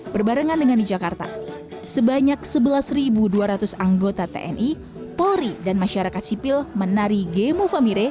berbarengan dengan di jakarta sebanyak sebelas dua ratus anggota tni polri dan masyarakat sipil menari gemo famire